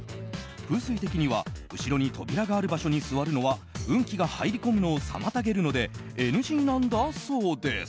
風水的には後ろに扉がある場所に座るのは運気が入り込むのを妨げるのでＮＧなんだそうです。